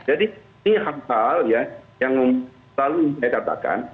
jadi ini hal hal ya yang selalu saya katakan